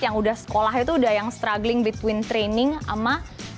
yang udah sekolah itu udah yang struggling between training sama